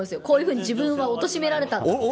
こういうふうに自分は貶められたって。